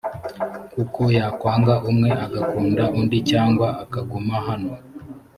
kuko yakwanga umwe agakunda undi cyangwa akaguma hano